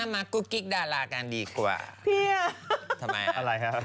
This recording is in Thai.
มากุ๊กกิ๊กดารากันดีกว่าทำไมอะไรครับ